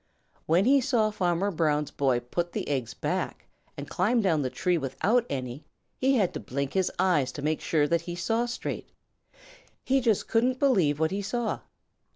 When he saw Farmer Brown's boy put the eggs back and climb down the tree without any, he had to blink his eyes to make sure that he saw straight. He just couldn't believe what he saw.